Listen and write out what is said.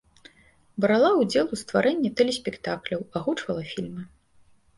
Брала ўдзел у стварэнні тэлеспектакляў, агучвала фільмы.